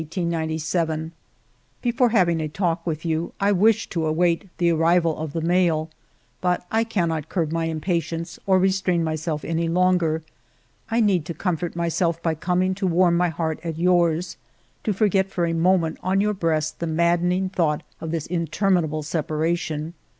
" Before having a talk with you, I wished to await the arrival of the mail ; but I cannot curb my impatience, or restrain myself any longer. I need to comfort myself by coming to warm my heart at yours; to forget for a moment on your breast the maddening thought of this interminable separation.